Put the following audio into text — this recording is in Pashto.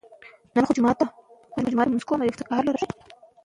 مادي ژبه فشار نه زیاتوي.